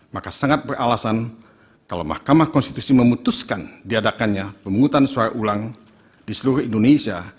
maka sangat beralasan kalau mahkamah konstitusi memutuskan diadakannya pemungutan suara ulang di seluruh indonesia